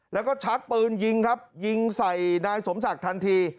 แล้วก็ชักปืนยิงครับยิงใส่นายสมศักดิ์ทันที